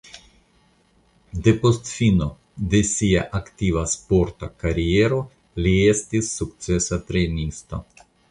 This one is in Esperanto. Depost fino de sia aktiva sporta kariero li estis sukcesa trejnisto.